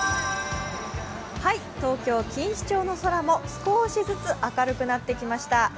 東京・錦糸町の空も、少しずつ明るくなってきました。